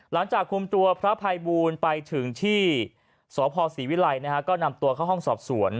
หลังจากคุมตัวพระภัยบูลไปถึงที่สพศรีวิลัยนะฮะก็นำตัวเข้าห้องสอบสวน